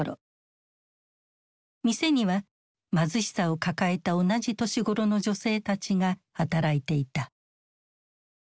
店には貧しさを抱えた同じ年頃の女性たちが働いていた。